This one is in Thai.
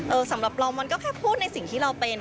สำหรับเรามันก็แค่พูดในสิ่งที่เราเป็น